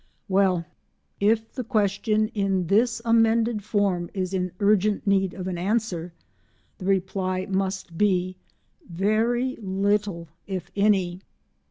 Well, if the question in this amended form is in urgent need of an answer, the reply must be: very little if any.